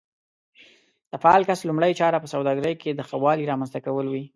د فعال کس لومړۍ چاره په سوداګرۍ کې د ښه والي رامنځته کول وي.